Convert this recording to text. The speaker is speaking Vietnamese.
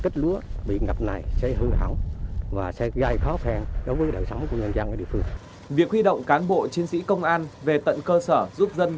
các lực lượng của các lực lượng của các lực lượng của các lực lượng của các lực lượng của các lực lượng của các lực lượng của các lực lượng